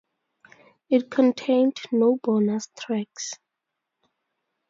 It contained no bonus tracks.